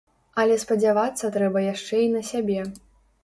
Але спадзявацца трэба яшчэ і на сябе.